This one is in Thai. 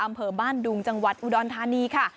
อำเภอบ้านดุงจังหวัดอุดรธานีค่ะ